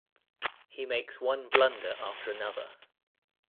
He makes one blunder after another.